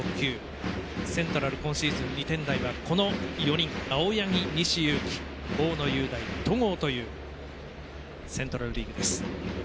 セントラル今シーズン２点台はこの４人青柳、西勇輝、大野雄大戸郷というセントラル・リーグです。